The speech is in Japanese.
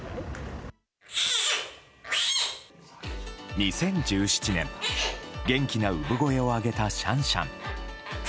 ２０１７年、元気な産声を上げたシャンシャン。